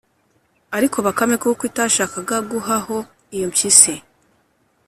ariko bakame kuko itashakaga guha ho iyo mpyisi,